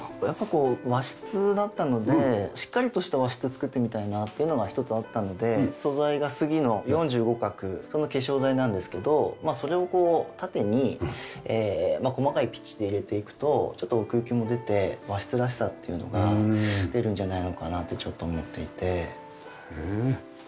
やっぱこう和室だったのでしっかりとした和室作ってみたいなっていうのが一つあったので素材がスギの４５角の化粧材なんですけどまあそれをこう縦に細かいピッチで入れていくとちょっと奥行きも出て和室らしさっていうのが出るんじゃないのかなってちょっと思っていて。